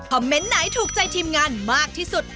เมนต์ไหนถูกใจทีมงานมากที่สุด